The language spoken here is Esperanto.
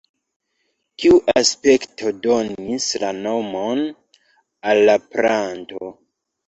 Tiu aspekto donis la nomon al la planto.